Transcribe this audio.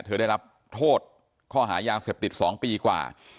ได้รับโทษข้อหายาเสพติด๒ปีกว่า